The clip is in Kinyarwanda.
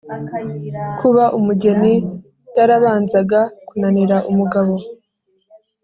Kuba umugeni yarabanzaga kunanira umugabo